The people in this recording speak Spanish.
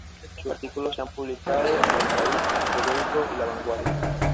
Sus artículos se han publicado en "El País", "El Periódico" y "La Vanguardia".